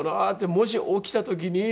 もし起きた時に。